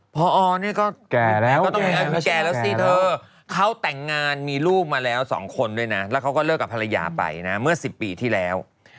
พอเนี่ยก็แก่แล้วก็ต้องมีอายุแก่แล้วสิเธอเขาแต่งงานมีลูกมาแล้ว๒คนด้วยนะแล้วเขาก็เลิกกับภรรยาไปนะเมื่อ๑๐ปีที่แล้ว